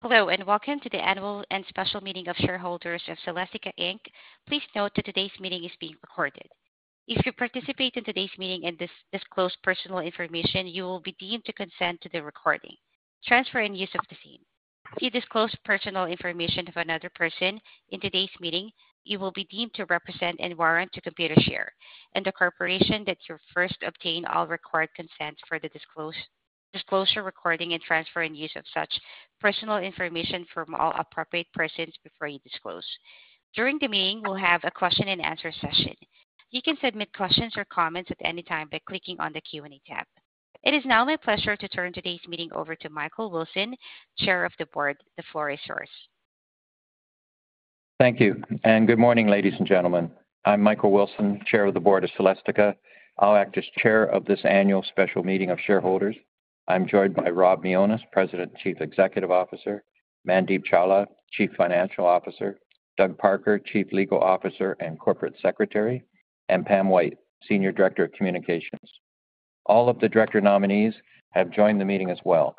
Hello and welcome to the annual and special meeting of shareholders of Celestica Inc. Please note that today's meeting is being recorded. If you participate in today's meeting and disclose personal information, you will be deemed to consent to the recording. Transfer and use of the same. If you disclose personal information of another person in today's meeting, you will be deemed to represent and warrant to Computershare and the corporation that you first obtain all required consents for the disclosure, recording, and transfer and use of such personal information from all appropriate persons before you disclose. During the meeting, we'll have a question-and-answer session. You can submit questions or comments at any time by clicking on the Q&A tab. It is now my pleasure to turn today's meeting over to Michael Wilson, Chair of the Board. The floor is yours. Thank you. And good morning, ladies and gentlemen. I'm Michael Wilson, Chair of the Board of Celestica. I'll act as Chair of this annual special meeting of shareholders. I'm joined by Rob Mionis, President and Chief Executive Officer, Mandeep Chawla, Chief Financial Officer, Doug Parker, Chief Legal Officer and Corporate Secretary, and Pam White, Senior Director of Communications. All of the director nominees have joined the meeting as well.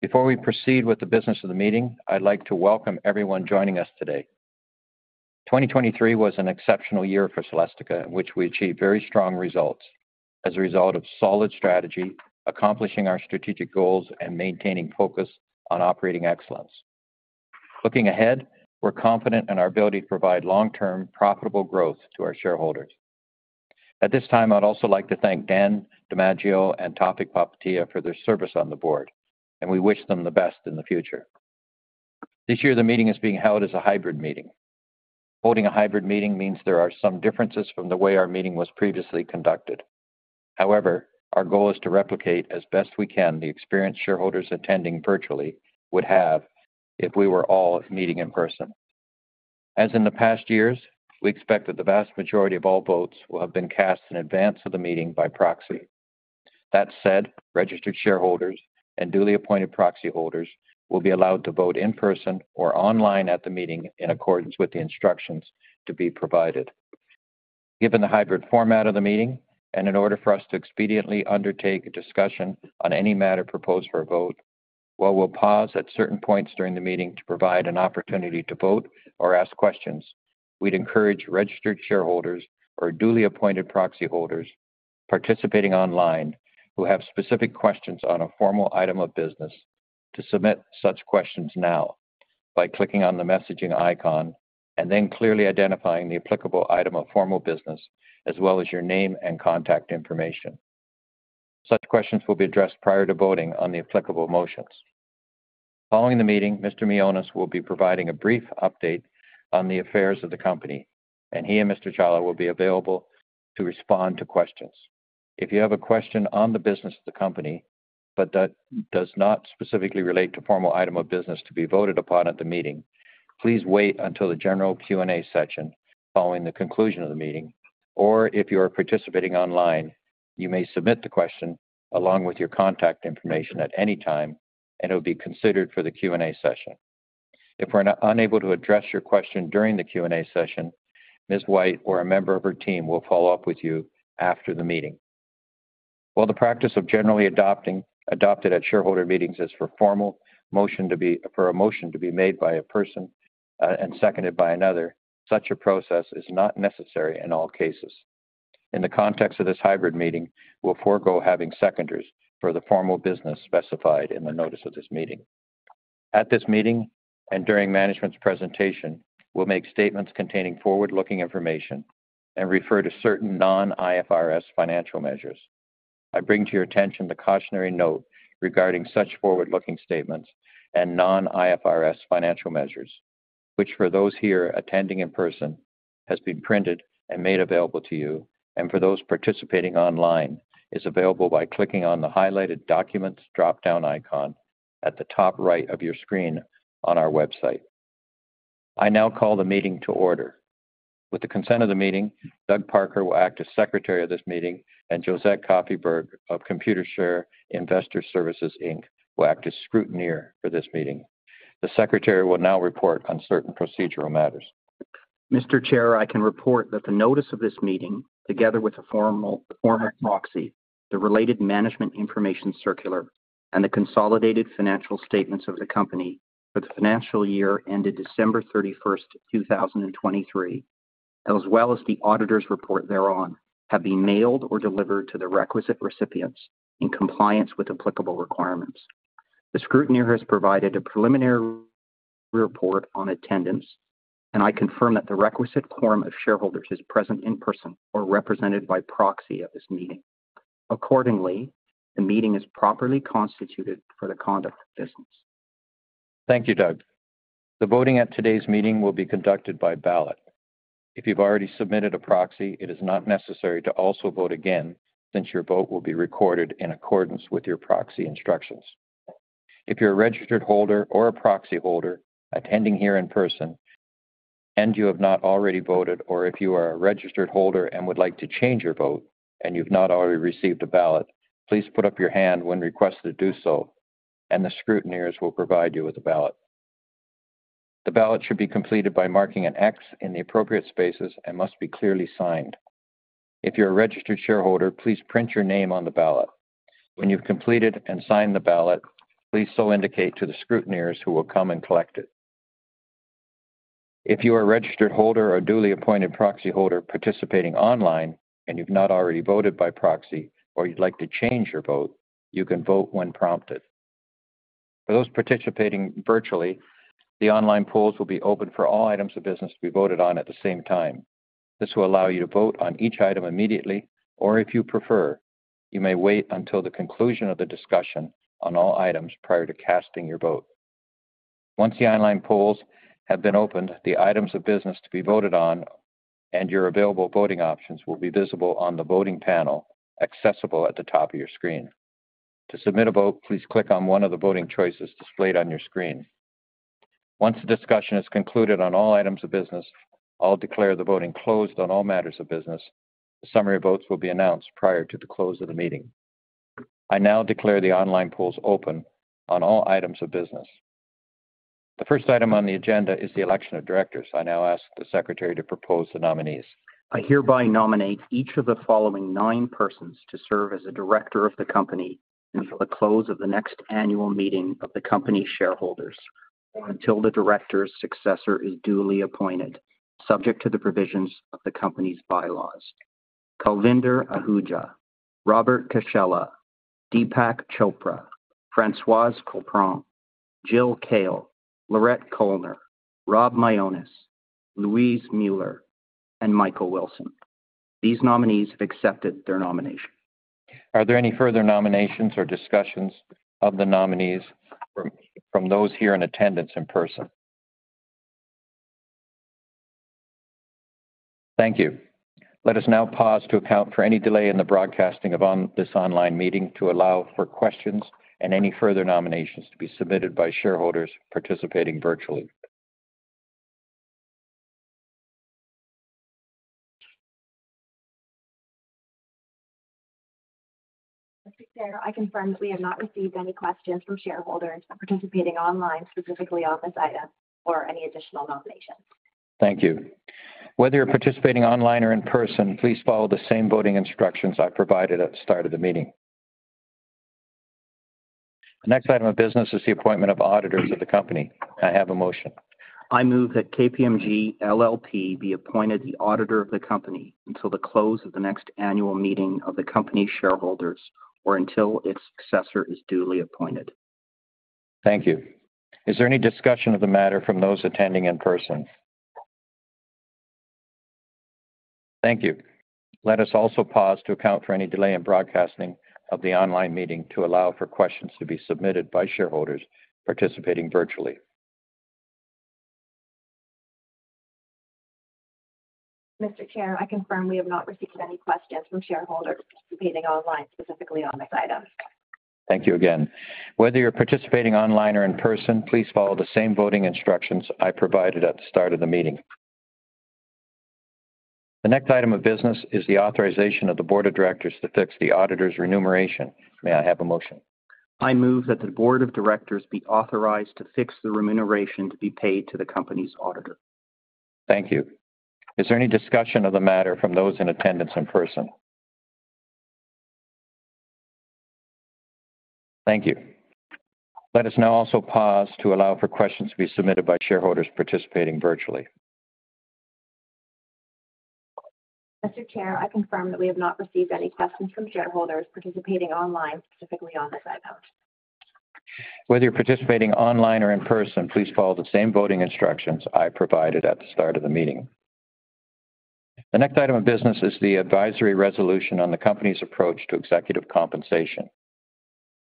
Before we proceed with the business of the meeting, I'd like to welcome everyone joining us today. 2023 was an exceptional year for Celestica, in which we achieved very strong results as a result of solid strategy, accomplishing our strategic goals, and maintaining focus on operating excellence. Looking ahead, we're confident in our ability to provide long-term, profitable growth to our shareholders. At this time, I'd also like to thank Dan DiMaggio and Tawfiq Popatia for their service on the board, and we wish them the best in the future. This year, the meeting is being held as a hybrid meeting. Holding a hybrid meeting means there are some differences from the way our meeting was previously conducted. However, our goal is to replicate as best we can the experience shareholders attending virtually would have if we were all meeting in person. As in the past years, we expect that the vast majority of all votes will have been cast in advance of the meeting by proxy. That said, registered shareholders and duly appointed proxy holders will be allowed to vote in person or online at the meeting in accordance with the instructions to be provided. Given the hybrid format of the meeting and in order for us to expediently undertake a discussion on any matter proposed for a vote, while we'll pause at certain points during the meeting to provide an opportunity to vote or ask questions, we'd encourage registered shareholders or duly appointed proxy holders participating online who have specific questions on a formal item of business to submit such questions now by clicking on the messaging icon and then clearly identifying the applicable item of formal business as well as your name and contact information. Such questions will be addressed prior to voting on the applicable motions. Following the meeting, Mr. Mionis will be providing a brief update on the affairs of the company, and he and Mr. Chawla will be available to respond to questions. If you have a question on the business of the company but that does not specifically relate to formal item of business to be voted upon at the meeting, please wait until the general Q&A session following the conclusion of the meeting. Or if you are participating online, you may submit the question along with your contact information at any time, and it will be considered for the Q&A session. If we're unable to address your question during the Q&A session, Ms. White or a member of her team will follow up with you after the meeting. While the practice of generally adopting adopted at shareholder meetings is for formal motion to be for a motion to be made by a person and seconded by another, such a process is not necessary in all cases. In the context of this hybrid meeting, we'll forego having seconders for the formal business specified in the notice of this meeting. At this meeting and during management's presentation, we'll make statements containing forward-looking information and refer to certain non-IFRS financial measures. I bring to your attention the cautionary note regarding such forward-looking statements and non-IFRS financial measures, which for those here attending in person has been printed and made available to you, and for those participating online is available by clicking on the highlighted documents drop-down icon at the top right of your screen on our website. I now call the meeting to order. With the consent of the meeting, Doug Parker will act as Secretary of this meeting, and Josette Kofyberg of Computershare Investor Services, Inc., will act as scrutineer for this meeting. The Secretary will now report on certain procedural matters. Mr. Chair, I can report that the notice of this meeting, together with the form of proxy, the related management information circular, and the consolidated financial statements of the company for the financial year ended December 31st, 2023, as well as the auditor's report thereon, have been mailed or delivered to the requisite recipients in compliance with applicable requirements. The scrutineer has provided a preliminary report on attendance, and I confirm that the requisite quorum of shareholders is present in person or represented by proxy at this meeting. Accordingly, the meeting is properly constituted for the conduct of business. Thank you, Doug. The voting at today's meeting will be conducted by ballot. If you've already submitted a proxy, it is not necessary to also vote again since your vote will be recorded in accordance with your proxy instructions. If you're a registered holder or a proxy holder attending here in person and you have not already voted, or if you are a registered holder and would like to change your vote and you've not already received a ballot, please put up your hand when requested to do so, and the scrutineers will provide you with a ballot. The ballot should be completed by marking an X in the appropriate spaces and must be clearly signed. If you're a registered shareholder, please print your name on the ballot. When you've completed and signed the ballot, please so indicate to the scrutineers who will come and collect it. If you are a registered holder or duly appointed proxy holder participating online and you've not already voted by proxy or you'd like to change your vote, you can vote when prompted. For those participating virtually, the online polls will be open for all items of business to be voted on at the same time. This will allow you to vote on each item immediately, or if you prefer, you may wait until the conclusion of the discussion on all items prior to casting your vote. Once the online polls have been opened, the items of business to be voted on and your available voting options will be visible on the voting panel accessible at the top of your screen. To submit a vote, please click on one of the voting choices displayed on your screen. Once the discussion is concluded on all items of business, I'll declare the voting closed on all matters of business. The summary votes will be announced prior to the close of the meeting. I now declare the online polls open on all items of business. The first item on the agenda is the election of directors. I now ask the Secretary to propose the nominees. I hereby nominate each of the following nine persons to serve as a director of the company until the close of the next annual meeting of the company shareholders or until the director's successor is duly appointed, subject to the provisions of the company's bylaws: Kulvinder Ahuja; Robert Cascella; Deepak Chopra; Françoise Colpron; Jill Kale; Laurette Koellner; Rob Mionis; Luis Müller; and Michael Wilson. These nominees have accepted their nomination. Are there any further nominations or discussions of the nominees from those here in attendance in person? Thank you. Let us now pause to account for any delay in the broadcasting of this online meeting to allow for questions and any further nominations to be submitted by shareholders participating virtually. Mr. Chair, I confirm that we have not received any questions from shareholders participating online specifically on this item or any additional nominations. Thank you. Whether you're participating online or in person, please follow the same voting instructions I provided at the start of the meeting. The next item of business is the appointment of auditors of the company. I have a motion. I move that KPMG LLP be appointed the auditor of the company until the close of the next annual meeting of the company shareholders or until its successor is duly appointed. Thank you. Is there any discussion of the matter from those attending in person? Thank you. Let us also pause to account for any delay in broadcasting of the online meeting to allow for questions to be submitted by shareholders participating virtually. Mr. Chair, I confirm we have not received any questions from shareholders participating online specifically on this item. Thank you again. Whether you're participating online or in person, please follow the same voting instructions I provided at the start of the meeting. The next item of business is the authorization of the Board of Directors to fix the auditor's remuneration. May I have a motion? I move that the Board of Directors be authorized to fix the remuneration to be paid to the company's auditor. Thank you. Is there any discussion of the matter from those in attendance in person? Thank you. Let us now also pause to allow for questions to be submitted by shareholders participating virtually. Mr. Chair, I confirm that we have not received any questions from shareholders participating online specifically on this item. Whether you're participating online or in person, please follow the same voting instructions I provided at the start of the meeting. The next item of business is the advisory resolution on the company's approach to executive compensation,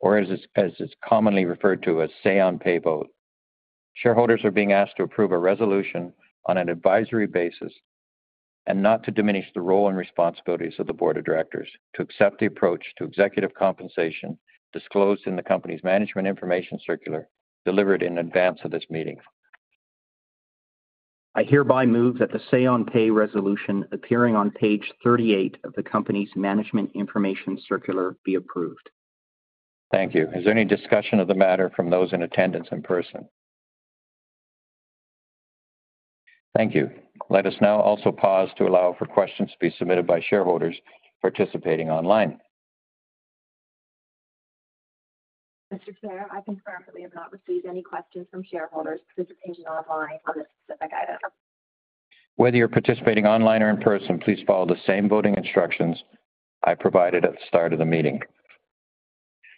or as it's commonly referred to as say-on-pay vote. Shareholders are being asked to approve a resolution on an advisory basis and not to diminish the role and responsibilities of the Board of Directors to accept the approach to executive compensation disclosed in the company's management information circular delivered in advance of this meeting. I hereby move that the say-on-pay resolution appearing on page 38 of the company's management information circular be approved. Thank you. Is there any discussion of the matter from those in attendance in person? Thank you. Let us now also pause to allow for questions to be submitted by shareholders participating online. Mr. Chair, I confirm that we have not received any questions from shareholders participating online on this specific item. Whether you're participating online or in person, please follow the same voting instructions I provided at the start of the meeting.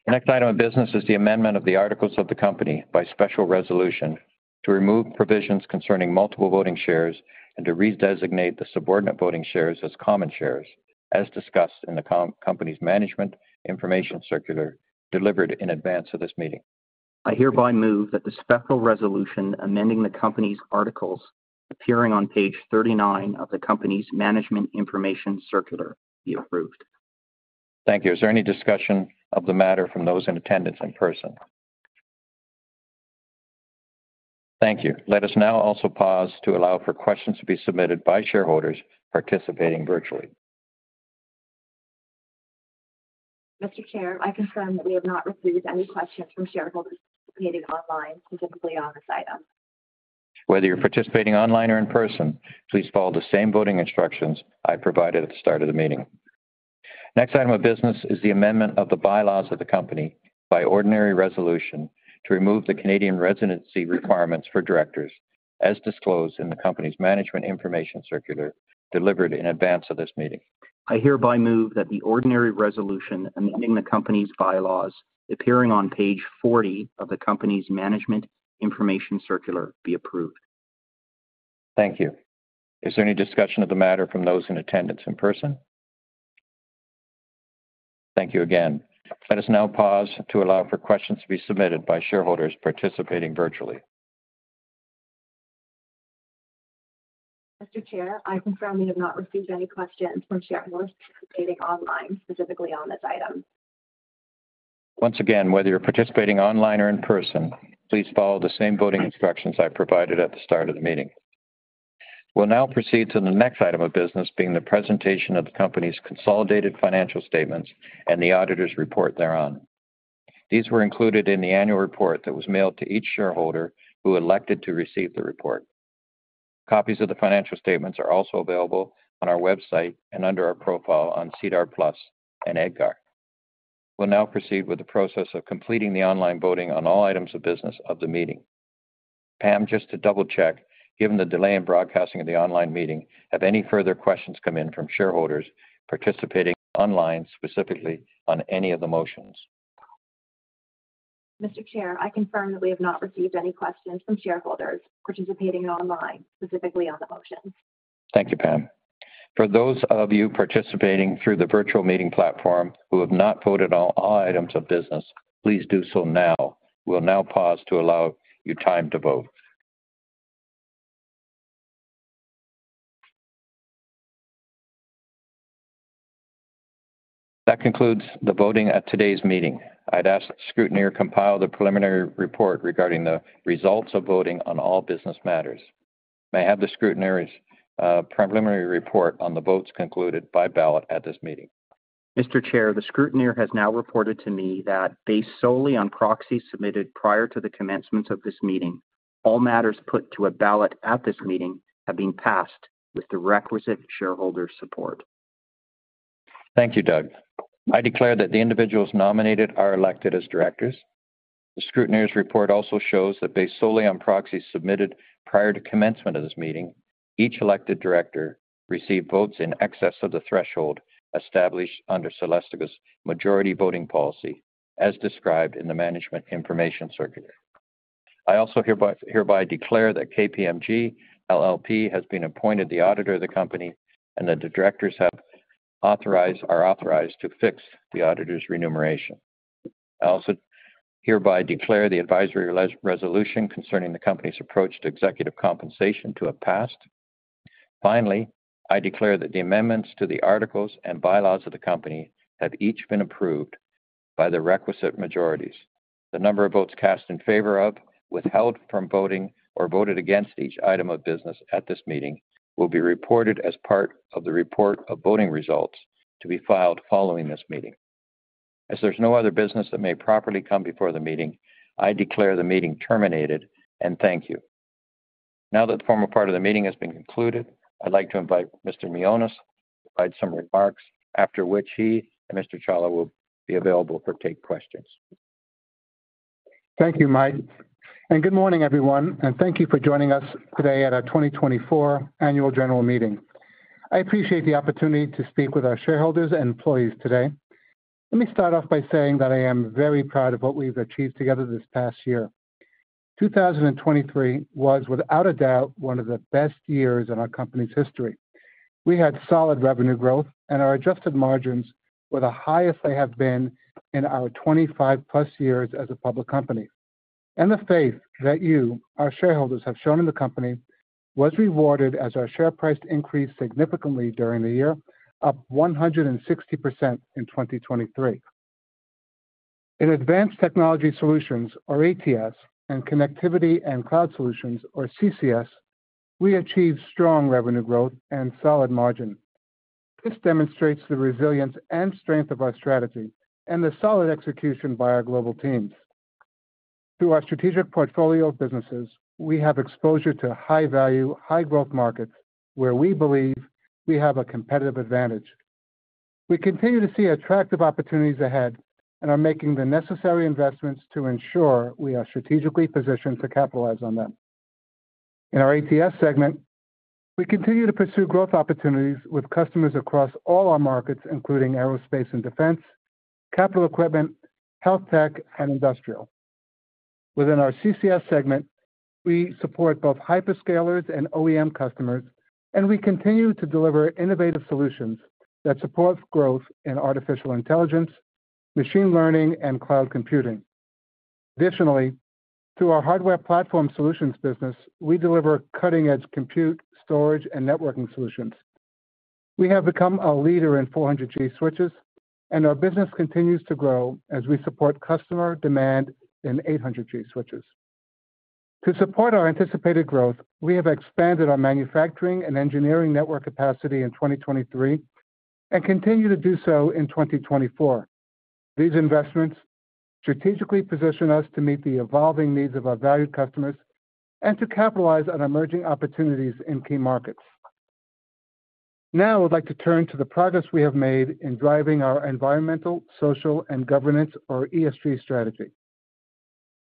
The next item of business is the amendment of the articles of the company by special resolution to remove provisions concerning multiple voting shares and to redesignate the subordinate voting shares as common shares, as discussed in the company's management information circular delivered in advance of this meeting. I hereby move that the special resolution amending the company's articles appearing on page 39 of the company's management information circular be approved. Thank you. Is there any discussion of the matter from those in attendance in person? Thank you. Let us now also pause to allow for questions to be submitted by shareholders participating virtually. Mr. Chair, I confirm that we have not received any questions from shareholders participating online specifically on this item. Whether you're participating online or in person, please follow the same voting instructions I provided at the start of the meeting. The next item of business is the amendment of the bylaws of the company by ordinary resolution to remove the Canadian residency requirements for directors, as disclosed in the company's management information circular delivered in advance of this meeting. I hereby move that the ordinary resolution amending the company's bylaws appearing on page 40 of the company's management information circular be approved. Thank you. Is there any discussion of the matter from those in attendance in person? Thank you again. Let us now pause to allow for questions to be submitted by shareholders participating virtually. Mr. Chair, I confirm we have not received any questions from shareholders participating online specifically on this item. Once again, whether you're participating online or in person, please follow the same voting instructions I provided at the start of the meeting. We'll now proceed to the next item of business, being the presentation of the company's consolidated financial statements and the auditor's report thereon. These were included in the annual report that was mailed to each shareholder who elected to receive the report. Copies of the financial statements are also available on our website and under our profile on SEDAR+ and EDGAR. We'll now proceed with the process of completing the online voting on all items of business of the meeting. Pam, just to double-check, given the delay in broadcasting of the online meeting, have any further questions come in from shareholders participating online specifically on any of the motions? Mr. Chair, I confirm that we have not received any questions from shareholders participating online specifically on the motions. Thank you, Pam. For those of you participating through the virtual meeting platform who have not voted on all items of business, please do so now. We'll now pause to allow you time to vote. That concludes the voting at today's meeting. I'd ask the scrutineer compile the preliminary report regarding the results of voting on all business matters. May I have the scrutineer's preliminary report on the votes concluded by ballot at this meeting? Mr. Chair, the scrutineer has now reported to me that, based solely on proxies submitted prior to the commencement of this meeting, all matters put to a ballot at this meeting have been passed with the requisite shareholder support. Thank you, Doug. I declare that the individuals nominated are elected as directors. The scrutineer's report also shows that, based solely on proxies submitted prior to commencement of this meeting, each elected director received votes in excess of the threshold established under Celestica's majority voting policy, as described in the management information circular. I also hereby declare that KPMG LLP has been appointed the auditor of the company, and that the directors are authorized to fix the auditor's remuneration. I also hereby declare the advisory resolution concerning the company's approach to executive compensation to have passed. Finally, I declare that the amendments to the articles and bylaws of the company have each been approved by the requisite majorities. The number of votes cast in favor of, withheld from voting, or voted against each item of business at this meeting will be reported as part of the report of voting results to be filed following this meeting. As there's no other business that may properly come before the meeting, I declare the meeting terminated and thank you. Now that the formal part of the meeting has been concluded, I'd like to invite Mr. Mionis to provide some remarks, after which he and Mr. Chawla will be available to take questions. Thank you, Mike. Good morning, everyone. Thank you for joining us today at our 2024 annual general meeting. I appreciate the opportunity to speak with our shareholders and employees today. Let me start off by saying that I am very proud of what we've achieved together this past year. 2023 was, without a doubt, one of the best years in our company's history. We had solid revenue growth, and our adjusted margins were the highest they have been in our 25+ years as a public company. The faith that you, our shareholders, have shown in the company was rewarded as our share price increased significantly during the year, up 160% in 2023. In Advanced Technology Solutions, or ATS, and Connectivity and Cloud Solutions, or CCS, we achieved strong revenue growth and solid margin. This demonstrates the resilience and strength of our strategy and the solid execution by our global teams. Through our strategic portfolio of businesses, we have exposure to high-value, high-growth markets where we believe we have a competitive advantage. We continue to see attractive opportunities ahead and are making the necessary investments to ensure we are strategically positioned to capitalize on them. In our ATS segment, we continue to pursue growth opportunities with customers across all our markets, including aerospace and defense, capital equipment, health tech, and industrial. Within our CCS segment, we support both hyperscalers and OEM customers, and we continue to deliver innovative solutions that support growth in artificial intelligence, machine learning, and cloud computing. Additionally, through our Hardware Platform Solutions business, we deliver cutting-edge compute, storage, and networking solutions. We have become a leader in 400G switches, and our business continues to grow as we support customer demand in 800G switches. To support our anticipated growth, we have expanded our manufacturing and engineering network capacity in 2023 and continue to do so in 2024. These investments strategically position us to meet the evolving needs of our valued customers and to capitalize on emerging opportunities in key markets. Now I'd like to turn to the progress we have made in driving our environmental, social, and governance, or ESG, strategy.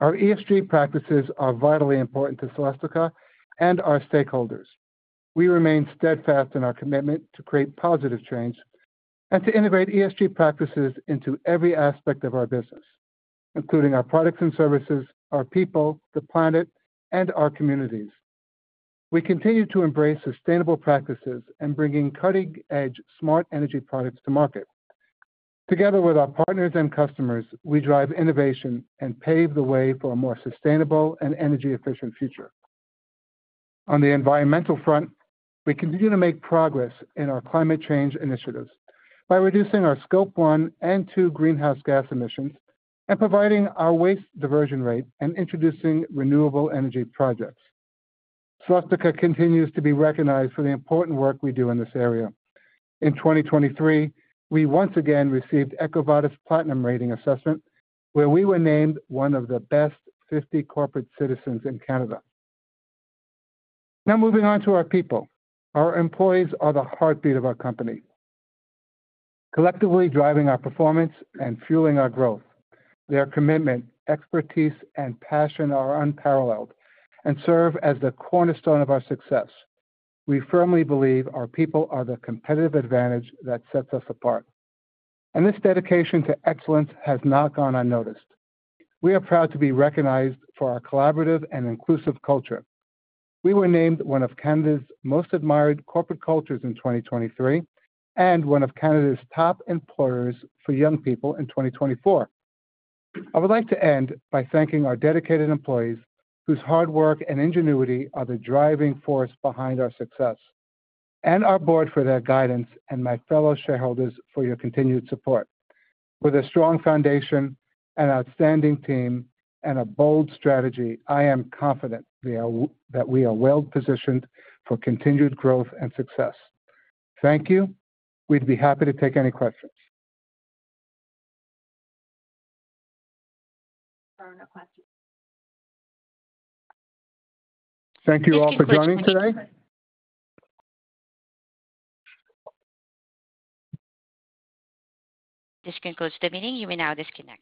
Our ESG practices are vitally important to Celestica and our stakeholders. We remain steadfast in our commitment to create positive change and to integrate ESG practices into every aspect of our business, including our products and services, our people, the planet, and our communities. We continue to embrace sustainable practices and bring cutting-edge smart energy products to market. Together with our partners and customers, we drive innovation and pave the way for a more sustainable and energy-efficient future. On the environmental front, we continue to make progress in our climate change initiatives by reducing our Scope 1 and 2 greenhouse gas emissions and providing our waste diversion rate and introducing renewable energy projects. Celestica continues to be recognized for the important work we do in this area. In 2023, we once again received EcoVadis Platinum Rating Assessment, where we were named one of the Best 50 Corporate Citizens in Canada. Now moving on to our people. Our employees are the heartbeat of our company, collectively driving our performance and fueling our growth. Their commitment, expertise, and passion are unparalleled and serve as the cornerstone of our success. We firmly believe our people are the competitive advantage that sets us apart. This dedication to excellence has not gone unnoticed. We are proud to be recognized for our collaborative and inclusive culture. We were named one of Canada's Most Admired Corporate Cultures in 2023 and one of Canada's Top Employers for Young People in 2024. I would like to end by thanking our dedicated employees, whose hard work and ingenuity are the driving force behind our success, and our board for their guidance, and my fellow shareholders for your continued support. With a strong foundation, an outstanding team, and a bold strategy, I am confident that we are well-positioned for continued growth and success. Thank you. We'd be happy to take any questions. There are no questions. Thank you all for joining today. This concludes the meeting. You may now disconnect.